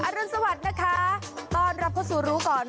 รุนสวัสดิ์นะคะต้อนรับเข้าสู่รู้ก่อน